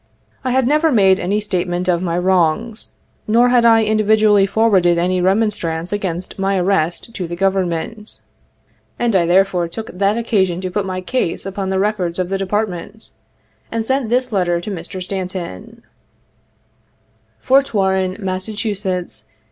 I had never made any statement of my wrongs, nor had I individually forwarded any remonstrance against my arrest to the Government, and I therefore took that occasion to put my case upon the records of the Department, and sent this letter to Mr. Stanton :" Fort Warren, Mass.